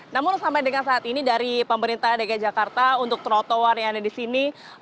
namun sampai dengan saat ini dari pemerintah dki jakarta untuk trotoar yang ada di sini